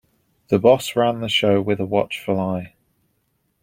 The boss ran the show with a watchful eye.